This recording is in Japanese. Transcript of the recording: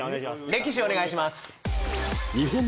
歴史お願いします